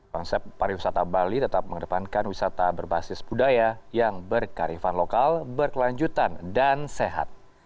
konsep pariwisata bali tetap mengedepankan wisata berbasis budaya yang berkarifan lokal berkelanjutan dan sehat